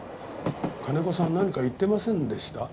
金子さん何か言ってませんでした？